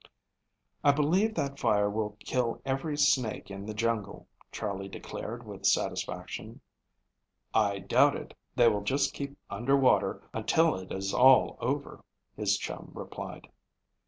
"I believe that fire will kill every snake in the jungle," Charley declared with satisfaction. "I doubt it. They will just keep under water until it is all over," his chum replied.